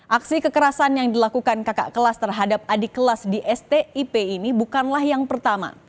aksi kekerasan yang dilakukan kakak kelas terhadap adik kelas di stip ini bukanlah yang pertama